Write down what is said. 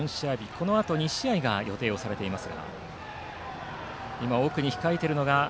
このあとは２試合が予定されています。